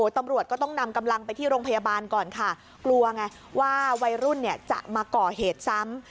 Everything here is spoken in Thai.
ตำรวจก็ต้องนำกำลังไปที่โรงพยาบาลก่อนค่ะกลัวไงว่าวัยรุ่นเนี่ยจะมาก่อเหตุซ้ำ